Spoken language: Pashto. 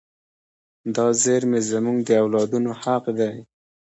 دا زیرمې زموږ د اولادونو حق دی.